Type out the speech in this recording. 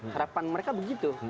harapan mereka begitu